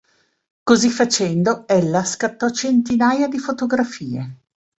Così facendo ella scattò centinaia di fotografie".